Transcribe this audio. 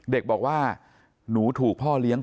เด็กบอกว่าหนูถูกพ่อเลี้ยง